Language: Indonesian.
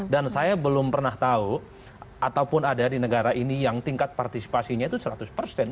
dan saya belum pernah tahu ataupun ada di negara ini yang tingkat partisipasinya itu seratus persen